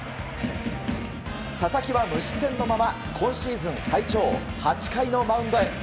佐々木は無失点のまま今シーズン最長８回のマウンドへ。